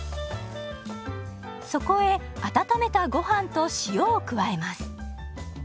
そこへ温めたごはんと塩を加えます。